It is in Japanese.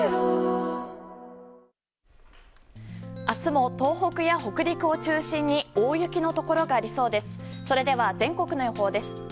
明日も東北や北陸を中心に大雪のところがありそうです。